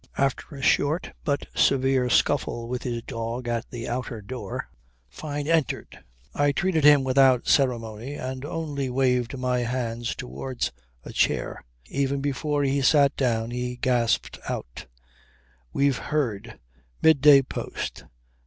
After a short but severe scuffle with his dog at the outer door, Fyne entered. I treated him without ceremony and only waved my hand towards a chair. Even before he sat down he gasped out: "We've heard midday post."